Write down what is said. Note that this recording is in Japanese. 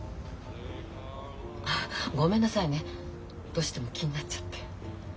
ごめんなさいねどうしても気になっちゃって。